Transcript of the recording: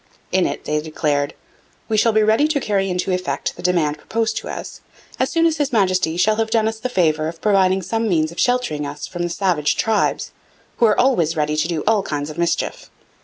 In it they declared, 'We shall be ready to carry into effect the demand proposed to us, as soon as His Majesty shall have done us the favour of providing some means of sheltering us from the savage tribes, who are always ready to do all kinds of mischief...